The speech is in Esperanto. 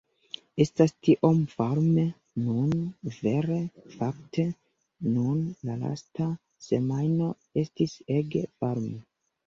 Estas tiom varme nun, vere fakte, nun la lasta semajno estis ege varme